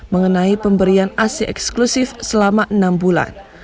mengenai pemberian ac eksklusif selama enam bulan